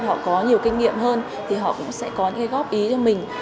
họ có nhiều kinh nghiệm hơn thì họ cũng sẽ có những góp ý cho mình